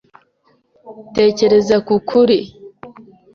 Tekereza ku kuri.